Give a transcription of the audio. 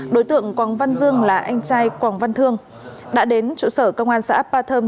đối tượng quang văn dương là anh trai quang văn thương đã đến chỗ sở công an xã appa thơm